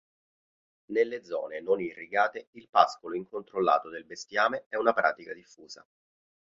Nelle zone non irrigate il pascolo incontrollato del bestiame è una pratica diffusa.